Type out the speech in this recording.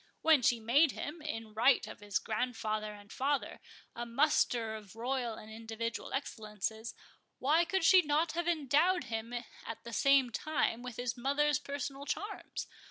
When she made him, in right of his grandfather and father, a muster of royal and individual excellences, why could she not have endowed him at the same time with his mother's personal charms?